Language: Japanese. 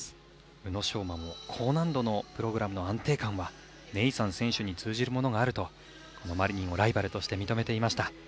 宇野昌磨も高難度のプログラムの安定感はネイサン選手に通じるものがあるとこのマリニンをライバルとして認めていました。